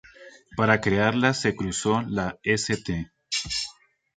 Para crearla se cruzó la St.